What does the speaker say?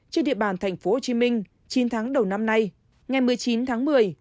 trên địa bàn tp hcm chín tháng đầu năm nay ngày một mươi chín tháng một mươi